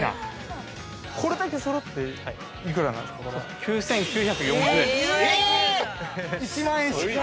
◆これだけそろって、幾らなんですか。